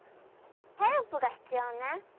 ヘルプが必要ね。